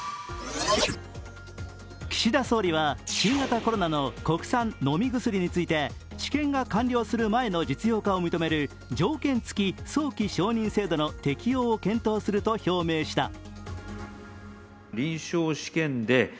岸田総理は新型コロナの国産飲み薬について治験が完了する前の実用化を認める条件付き早期承認制度の適用を検討すると表明した。